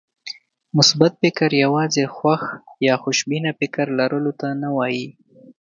مثبت فکر يوازې خوښ يا خوشبينه فکر لرلو ته نه وایي.